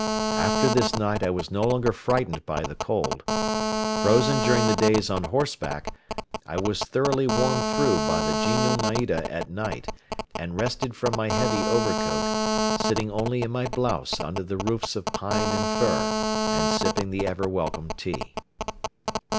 After this night I was no longer frightened by the cold. Frozen during the days on horseback, I was thoroughly warmed through by the genial naida at night and rested from my heavy overcoat, sitting only in my blouse under the roofs of pine and fir and sipping the ever welcome tea.